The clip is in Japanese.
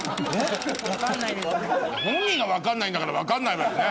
本人が分かんないんだから分かんないわよね。